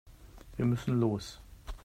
Wir müssen los.